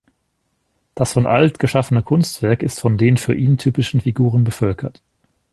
Das von Alt geschaffene Kunstwerk ist von den für ihn typischen Figuren bevölkert.